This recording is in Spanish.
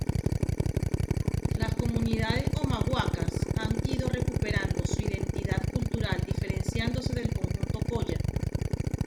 Las comunidades omaguacas han ido recuperando su identidad cultural diferenciándose del conjunto kolla.